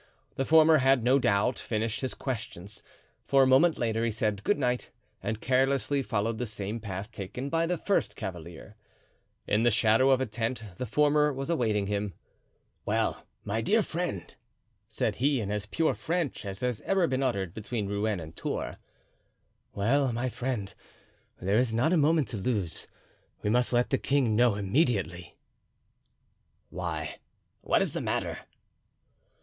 The former had no doubt finished his questions, for a moment later he said good night and carelessly followed the same path taken by the first cavalier. In the shadow of a tent the former was awaiting him. "Well, my dear friend?" said he, in as pure French as has ever been uttered between Rouen and Tours. "Well, my friend, there is not a moment to lose; we must let the king know immediately." "Why, what is the matter?"